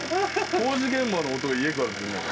工事現場の音が家から。